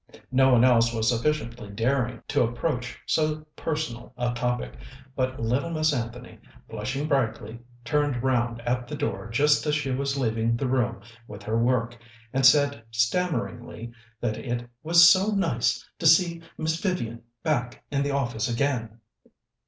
No one else was sufficiently daring to approach so personal a topic, but little Miss Anthony, blushing brightly, turned round at the door just as she was leaving the room with her work, and said stammeringly that it was so nice to see Miss Vivian back in the office again.